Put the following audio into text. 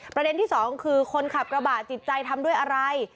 ประเด็นที่สองคือคนขับกระบะจิตใจทำด้วยอะไร